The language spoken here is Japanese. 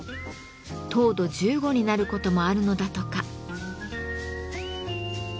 糖度１５になることもあるのだとか。